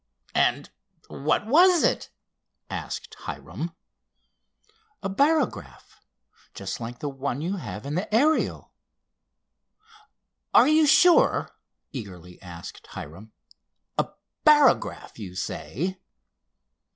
"And what was it?" asked Hiram. "A barograph, just like the one you have in the Ariel." "Are you sure?" eagerly asked Hiram. "A barograph, you say?"